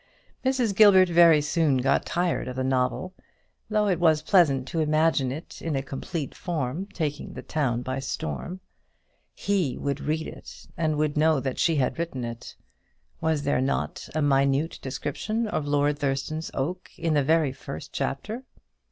Mrs. Gilbert very soon got tired of the novel, though it was pleasant to imagine it in a complete form taking the town by storm. He would read it, and would know that she had written it. Was there not a minute description of Lord Thurston's oak in the very first chapter?